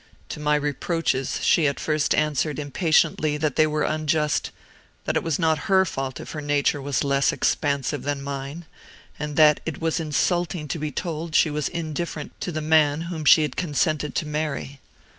To my reproaches she at first answered impatiently that they were unjust; that it was not her fault if her nature was less expansive than mine; and that it was insulting to be told she was indifferent to the man whom she had consented to marry.